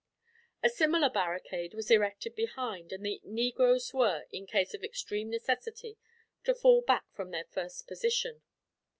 A similar barricade was erected behind, and the negroes were, in case of extreme necessity, to fall back from their first position.